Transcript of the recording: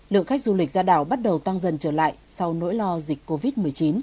lượng khách du lịch ra đảo bắt đầu tăng dần trở lại sau nỗi lo dịch covid một mươi chín